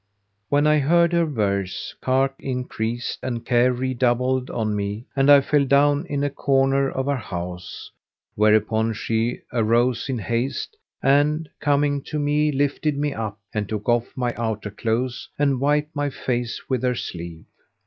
When I heard her verse, cark increased and care redoubled on me and I fell down in a corner of our house; whereupon she arose in haste and, coming to me lifted me up and took off my outer clothes and wiped my face with her sleeve.